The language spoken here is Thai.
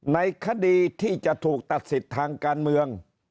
ในคดีที่จะถูกตัดสิทธิ์ทางการเมือง